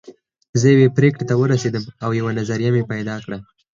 زه يوې پرېکړې ته ورسېدم او يوه نظريه مې پيدا کړه.